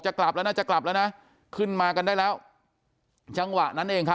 จะกลับละน่าจะกลับแล้วน่ะขึ้นมากันได้แล้วจังหวะนั้น